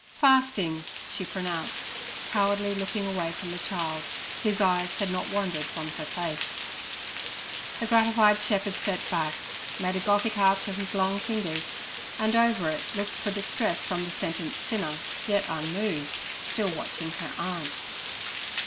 'Fasting' she pronounced, cowardly looking away from the child, whose eyes had not wandered from her face. The gratified shepherd sat back, made a Gothic arch of his long fingers, and over it looked for distress from the sentenced sinner, yet unmoved, still watching her aunt.